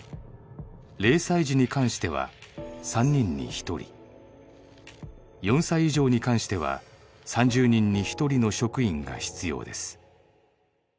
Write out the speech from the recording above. ０歳児に関しては３人に１人４歳以上に関しては３０人に１人の職員が必要です。